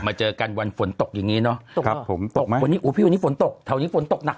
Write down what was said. อีกหลายวันไหมที่ฝนก็ตกหนัก